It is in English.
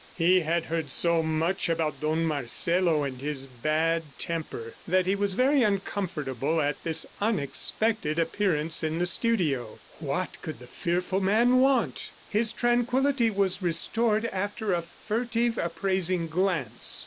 He had heard so much about Don Marcelo and his bad temper, that he was very uncomfortable at this unexpected appearance in the studio. ... What could the fearful man want? His tranquillity was restored after a furtive, appraising glance.